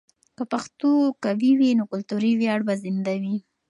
که پښتو قوي وي، نو کلتوري ویاړ به زنده وي.